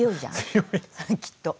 きっと。